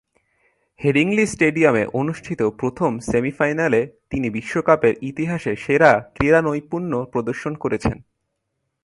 Headingley স্টেডিয়ামে অনুষ্ঠিত প্রথম সেমি-ফাইনালে তিনি বিশ্বকাপের ইতিহাসে সেরা ক্রীড়ানৈপুণ্য প্রদর্শন করেছেন।